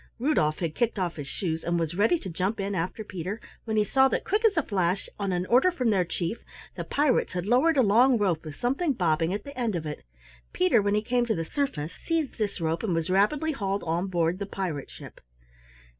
Rudolf had kicked off his shoes and was ready to jump in after Peter, when he saw that quick as a flash, on an order from their Chief, the pirates had lowered a long rope with something bobbing at the end of it. Peter when he came to the surface, seized this rope and was rapidly hauled on board the pirate ship.